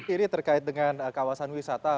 ini terkait dengan kawasan wisata